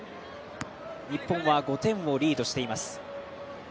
日本は５点をリードしています。